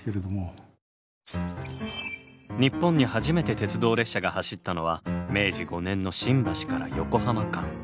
日本に初めて鉄道列車が走ったのは明治５年の新橋から横浜間。